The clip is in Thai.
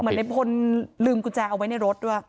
ในพลลืมกุญแจเอาไว้ในรถด้วย